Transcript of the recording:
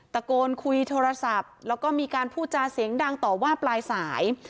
ตะโกนคุยโทรศัพท์แล้วก็มีการพูดจาเสียงดังต่อว่าปลายสาย